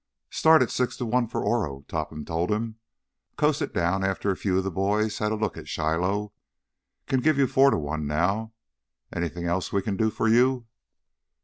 "Started six to one for Oro," Topham told him. "Coasted down after a few of the boys had a look at Shiloh. Can give you four to one now. Anything else we can do for you?"